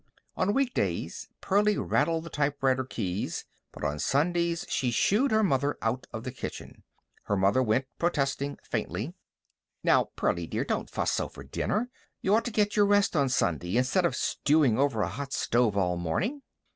On week days Pearlie rattled the typewriter keys, but on Sundays she shooed her mother out of the kitchen. Her mother went, protesting faintly: "Now, Pearlie, don't fuss so for dinner. You ought to get your rest on Sunday instead of stewing over a hot stove all morning."